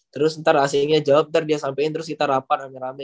terus ntar ac nya jawab ntar dia sampein terus kita rapat rame rame